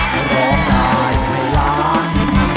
ร้องได้ให้ล้าน